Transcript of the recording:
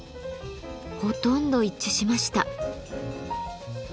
ほとんど一致しました。